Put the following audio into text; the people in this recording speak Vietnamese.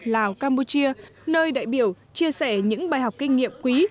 lào campuchia nơi đại biểu chia sẻ những bài học kinh nghiệm quý